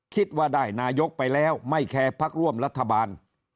คิดว่าได้นายกไปแล้วไม่แคร์พักร่วมรัฐบาล